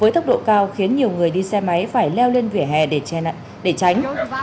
tốc độ cao khiến nhiều người đi xe máy phải leo lên vỉa hè để tránh